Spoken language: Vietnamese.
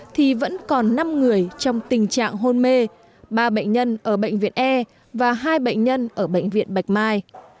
thì vẫn còn năm người trong tình trạng hôn mê ba bệnh nhân ở bệnh viện e và hai bệnh nhân ở bệnh viện bạch mai